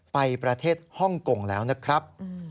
ไปประเทศฮ่องกงแล้วนะครับ